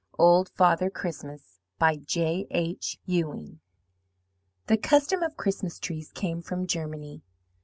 OLD FATHER CHRISTMAS J.H. EWING "The custom of Christmas trees came from Germany.